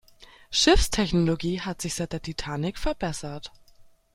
Schiffstechnologie hat sich seit der Titanic verbessert.